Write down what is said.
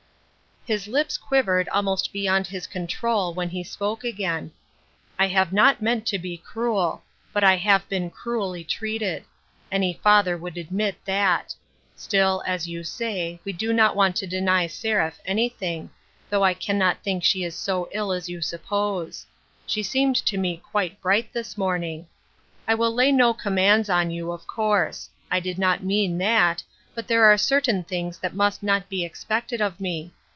His lips quivered almost beyond his control when he spoke again. " I have not meant to be DAYS OF PRIVILEGE. 265 cruel, but I have been cruelly treated ; any father would admit that ; still, as you say, we do not want to deny Seraph anything, though I cannot think she is so ill as you suppose ; she seemed to me quite bright this morning. I will lay no com mands on you, of course. I did not mean that, but there are certain things that must not be expected of me.